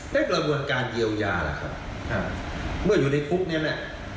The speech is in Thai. กระบวนการเยียวยาล่ะครับเมื่ออยู่ในคุกนี่แหละ